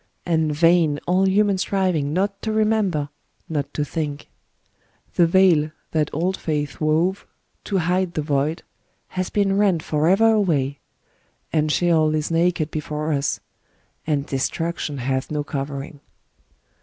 And vain all human striving not to remember, not to think : the Veil that old faiths wove, to hide the Void, has been rent forever away ;— and Sheol is naked before us, — and destruction hath no covering.